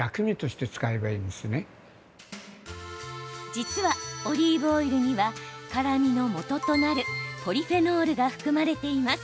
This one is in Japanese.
実はオリーブオイルには辛みのもととなるポリフェノールが含まれています。